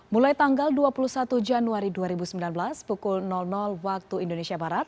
mulai tanggal dua puluh satu januari dua ribu sembilan belas pukul waktu indonesia barat